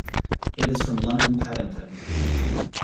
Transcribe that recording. It is from London Paddington.